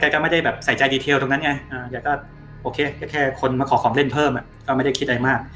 แกก็โอเคแค่คนมาขอขอมเล่นเพิ่มอ่ะก็ไม่ได้คิดอะไรมาก